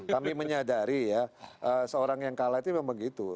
kami menyadari ya seorang yang kalah itu memang begitu